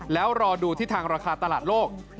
แล้วรอดูทิศทางราคาตลาดโลก